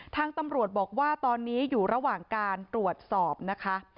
ทางตำรวจบอกว่าตอนนี้อยู่ระหว่างการตรวจสอบนะคะ